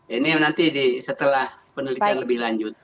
ini nanti setelah penelitian lebih lanjut